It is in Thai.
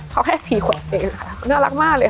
เขาแค่สีขวัดเองน่ารักมากเลย